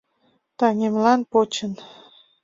Таҥемлан почын